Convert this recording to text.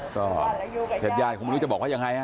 ก็ญาติญาติคงไม่รู้จะบอกว่ายังไงฮะ